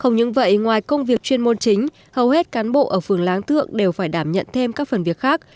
không những vậy ngoài công việc chuyên môn chính hầu hết cán bộ ở phường láng thượng đều phải đảm nhận thêm các phần việc khác